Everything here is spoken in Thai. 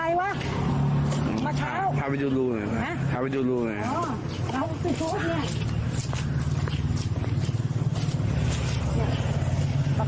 มาเช้าถ้าไปดูรู้เลยฮะถ้าไปดูรู้เลยอ๋อเอาซื้อซื้อซื้อ